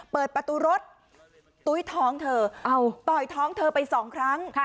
เปิดประตูรถตุ้ยท้องเธอต่อยท้องเธอไปสองครั้ง